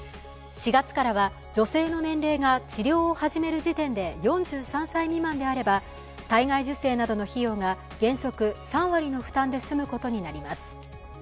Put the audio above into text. ４月からは女性の年齢が治療を始める時点で４３歳未満であれば体外受精などの費用が原則３割の負担で済むことになります。